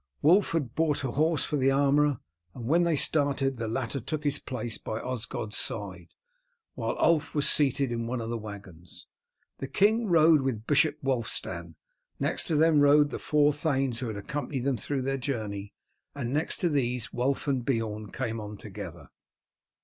Wulf had bought a horse for the armourer, and when they started the latter took his place by Osgod's side, while Ulf was seated in one of the waggons. The king rode with Bishop Wulfstan, next to them rode the four thanes who had accompanied them through their journey, and next to these Wulf and Beorn came on together.